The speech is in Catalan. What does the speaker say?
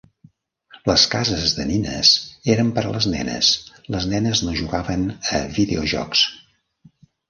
Les cases de nines eren per a les nenes, les nenes no jugaven a videojocs.